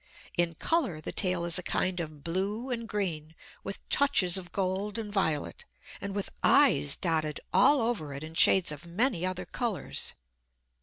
In color the tail is a kind of blue and green, with touches of gold and violet, and with "eyes" dotted all over it in shades of many other colors.